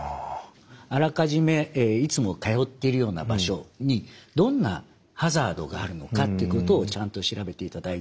あらかじめいつも通ってるような場所にどんなハザードがあるのかっていうことをちゃんと調べていただいて。